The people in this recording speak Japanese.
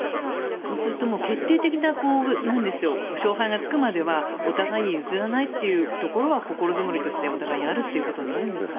そうすると決定的な保守派がつくまではお互いに譲らないというところは心づもりとしてお互いにあるということになるんですかね？